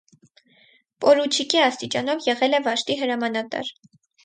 Պորուչիկի աստիճանով եղել է վաշտի հրամանատար։